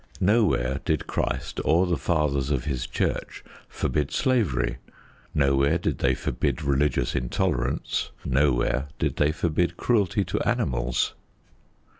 Nowhere did Christ or the Fathers of His Church forbid slavery; nowhere did they forbid religious intolerance; nowhere did they forbid cruelty to animals.